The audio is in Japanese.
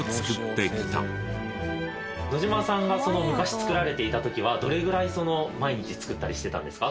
野島さんが昔作られていた時はどれぐらい毎日作ったりしてたんですか？